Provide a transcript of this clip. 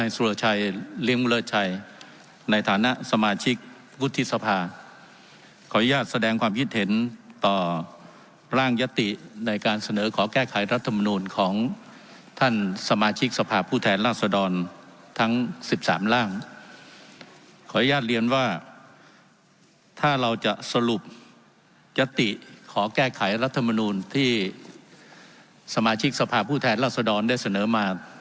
สวัสดีครับสวัสดีครับสวัสดีครับสวัสดีครับสวัสดีครับสวัสดีครับ